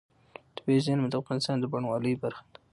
طبیعي زیرمې د افغانستان د بڼوالۍ برخه ده.